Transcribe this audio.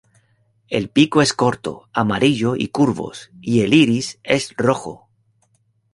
El pico es corto, amarillo y curvos y el iris es rojo.